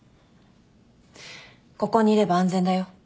ここにいれば安全だよ。